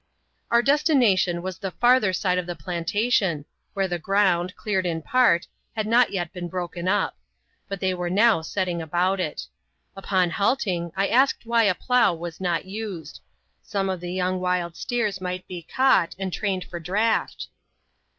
Our destination was the farther side of the plantation, where the ground, cleared in part, had not yet been broken up ; but they were now setting about it. Upon halting, I asked why a plough was not used : some of the young wild steers might be caught, and trained for draught.